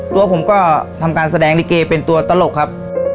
ตัวผมก็ทำการแสดงลิเกเป็นตัวตลกครับ